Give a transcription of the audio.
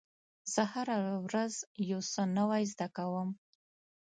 زه هره ورځ یو څه نوی زده کوم.